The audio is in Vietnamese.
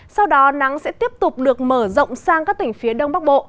sau đó nắng sẽ tiếp tục được mở rộng sang các tỉnh phía đông bắc bộ